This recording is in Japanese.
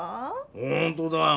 ほんとだよ。